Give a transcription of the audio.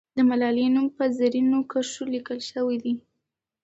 د ملالۍ نوم په زرینو کرښو لیکل سوی وو.